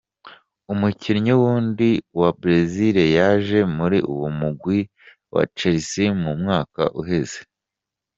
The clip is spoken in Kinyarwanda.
Umukinyi wundi wa Brezil yazeye muri uwo mugwi wa Chelsea mu mwaka uheze.